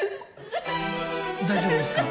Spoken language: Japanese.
大丈夫ですか？